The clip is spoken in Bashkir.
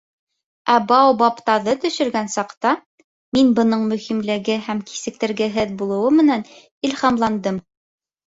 Ә баобабтаҙы төшөргән саҡта, мин бының мөһимлеге һәм кисектергеһеҙ булыуы менән илһамландым.